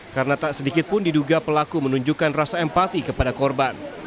karena tak sedikit pun diduga pelaku menunjukkan rasa empati kepada korban